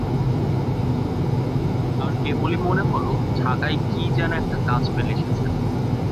তাঁর কেবলি মনে হল, ঢাকায় কী যেন একটা কাজ ফেলে এসেছেন।